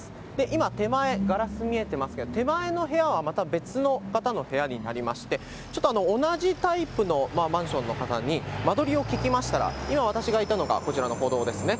今、手前、ガラス見えてますけれども、手前の部屋はまた別の方の部屋になりまして、ちょっと同じタイプのマンションの方に間取りを聞きましたら、今、私がいたのがこちらの歩道ですね。